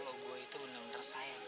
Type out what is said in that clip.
kalau gue itu benar benar saya